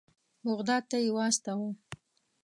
بغداد ته یې واستاوه.